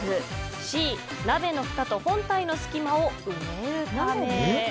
Ｃ、鍋のふたと本体の隙間を埋めるため。